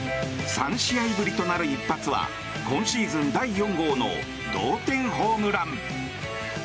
３試合ぶりとなる一発は今シーズン第４号の同点ホームラン。